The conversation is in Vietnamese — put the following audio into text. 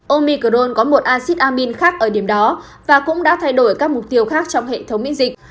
omicron có một acid amin khác ở điểm đó và cũng đã thay đổi các mục tiêu khác trong hệ thống miễn dịch